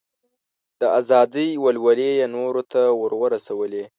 د ازادۍ ولولې یې نورو ته ور ورسولې.